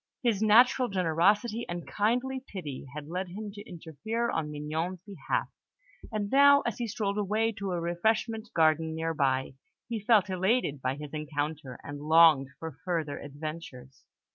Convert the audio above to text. His natural generosity and kindly pity had led him to interfere on Mignon's behalf; and now, as he strolled away to a refreshment garden near by, he felt elated by his encounter, and longed for further adventures.